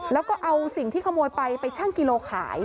แล้วก็เอาสิ่งที่ขโมยไปไปชั่งกิโลขาย